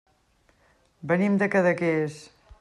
Venim de Cadaqués.